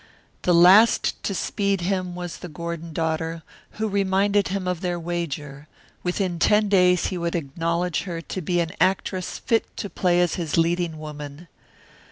The last to speed him was the Gordon daughter, who reminded him of their wager; within ten days he would acknowledge her to be an actress fit to play as his leading woman.